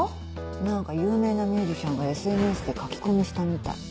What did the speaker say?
何か有名なミュージシャンがＳＮＳで書き込みしたみたい。